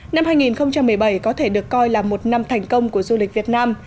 năm hai nghìn một mươi bảy có thể được coi là một năm thành công của du lịch việt nam